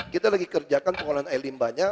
kita lagi kerjakan pengolahan air limbahnya